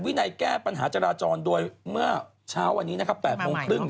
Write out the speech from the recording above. วินัยแก้ปัญหาจราจรมาเมื่อเช้าไว้แบบ๘นิดหนึ่ง